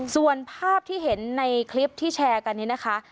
ส่วนภาพที่เห็นในคลิปที่แชร์กันนี้นะคะ